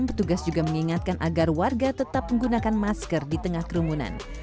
petugas juga mengingatkan agar warga tetap menggunakan masker di tengah kerumunan